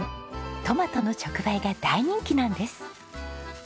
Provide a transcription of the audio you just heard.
トマトの直売が大人気なんです。